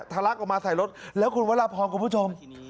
ลักออกมาใส่รถแล้วคุณวรพรคุณผู้ชม